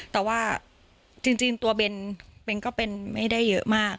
แต่ว่าจริงตัวเบนก็เป็นไม่ได้เยอะมาก